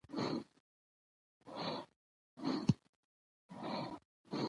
موږ باید د کورنۍ اړیکې د خبرو له لارې ټینګې کړو